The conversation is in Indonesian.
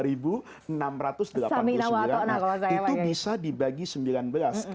itu bisa dibagi sembilan belas